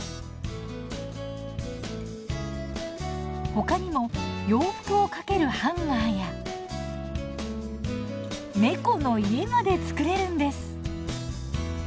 ほかにも洋服をかけるハンガーや猫の家まで作れるんです！